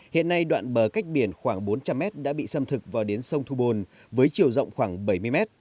hiện nay đoạn bờ cách biển khoảng bốn trăm linh mét đã bị xâm thực vào đến sông thu bồn với chiều rộng khoảng bảy mươi m